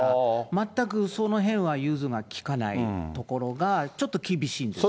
全くそのへんは融通がきかないところがちょっと厳しいんですね。